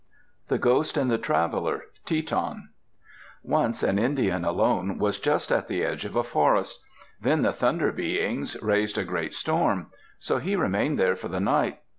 THE GHOST AND THE TRAVELER Teton Once an Indian alone was just at the edge of a forest. Then the Thunder Beings raised a great storm. So he remained there for the night.